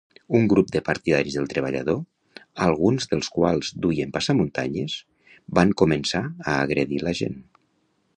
Un grup de partidaris del treballador, alguns dels quals duien passamuntanyes, van començar a agredir la gent.